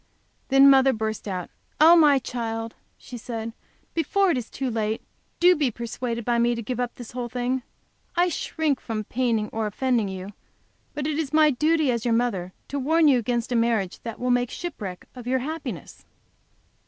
Then mother burst out, "Oh, my child," she said, "before it is too late, do be persuaded by me to give up this whole thing. I shrink from paining or offending you, but it is my duty, as your mother, to warn you against a marriage that will make shipwreck of your happiness."